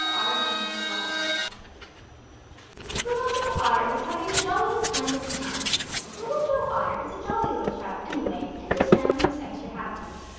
OTTER LEARNED TO SLIDE Little Joe Otter was having the jolliest kind of a time. Little Joe Otter is a jolly little chap, anyway, and just now he was extra happy.